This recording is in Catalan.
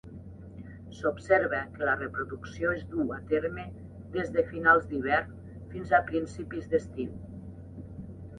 S'observa que la reproducció es duu a terme des de finals d'hivern fins a principis d'estiu.